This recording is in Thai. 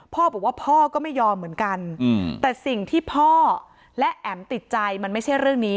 พ่อบอกว่าพ่อก็ไม่ยอมเหมือนกันแต่สิ่งที่พ่อและแอ๋มติดใจมันไม่ใช่เรื่องนี้